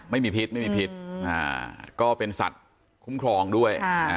ไม่มีพิษไม่มีพิษอ่าก็เป็นสัตว์คุ้มครองด้วยอ่า